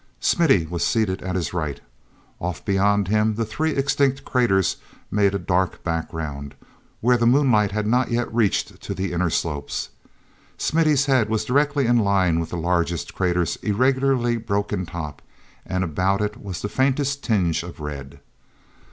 Smithy was seated at his right. Off beyond him the three extinct craters made a dark background where the moonlight had not yet reached to their inner slopes. Smithy's head was directly in line with the largest crater's irregularly broken top; and about it was the faintest tinge of red.